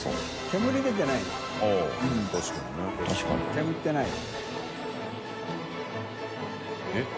煙ってない。